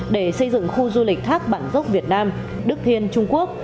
để xây dựng khu du lịch thác bản dốc việt nam đức thiên trung quốc